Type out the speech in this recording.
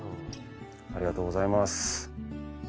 ありがとうございます。